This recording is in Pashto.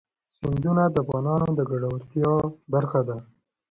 سیندونه د افغانانو د ګټورتیا برخه ده.